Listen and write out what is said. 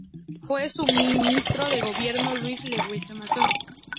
Fue su ministro de gobierno Luis Leguizamón.